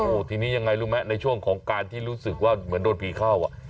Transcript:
โอ้โหทีนี้ยังไงรู้ไหมในช่วงของการที่รู้สึกว่าเหมือนโดนผีเข้าอ่ะ